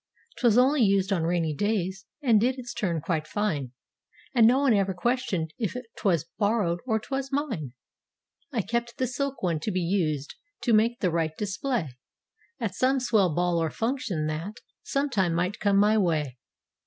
'Twas only used on rainy days, and did its turn quite fine. And no one ever questioned if 'twas borrowed, or 'twas mine. I kept the silk one to be used to make the right display At some swell ball or function that, sometime might come my way.